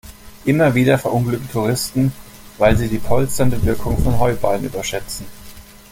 Immer wieder verunglücken Touristen, weil sie die polsternde Wirkung von Heuballen überschätzen.